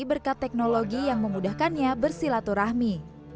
berkat teknologi yang memudahkannya bersilaturahmi